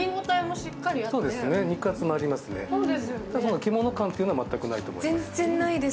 獣感というのは全くないと思います。